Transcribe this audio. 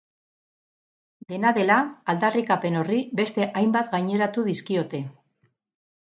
Dena dela, aldarrikapen horri beste hainbat gaineratu dizkiote.